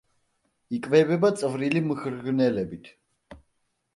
იკვებება წვრილი მღრღნელებით.